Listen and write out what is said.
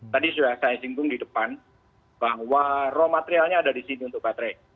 tadi sudah saya singgung di depan bahwa raw materialnya ada di sini untuk baterai